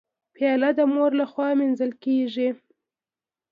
پیاله د مور لخوا مینځل کېږي.